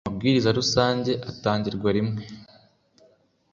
Amabwiriza Rusange atangirwa rimwe.